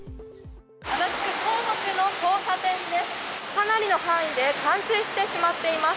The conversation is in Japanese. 足立区の交差点です。